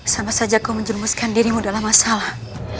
sama saja kau menjerumuskan dirimu dalam masalah